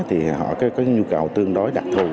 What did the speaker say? thì họ có nhu cầu tương đối đặc thù